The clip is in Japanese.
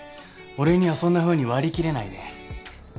俺にはそんなふうに割り切れないね。